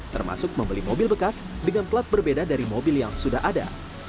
termasuk membeli mobil bekas dengan plat berbeda dari mobil yang sudah ada